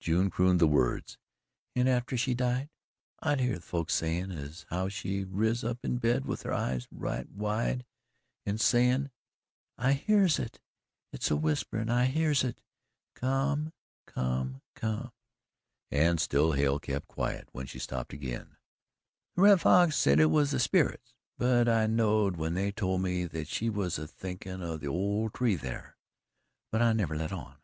June crooned the words, "an' atter she died, I heerd the folks sayin' as how she riz up in bed with her eyes right wide an' sayin' "I hears it! It's a whisperin' I hears it come come come'!" And still Hale kept quiet when she stopped again. "The Red Fox said hit was the sperits, but I knowed when they told me that she was a thinkin' o' that ole tree thar. But I never let on.